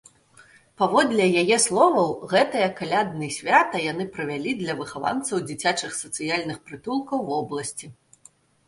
Паводле яе словаў, гэтае калядны свята яны правялі для выхаванцаў дзіцячых сацыяльных прытулкаў вобласці.